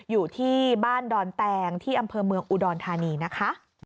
อยู่ที่บ้านดอนแตงที่อำเภอเมืองอุดรธานีนะคะ